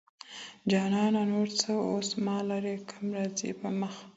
جانانه ! نور څه اوس ما لره کم راځي په مخه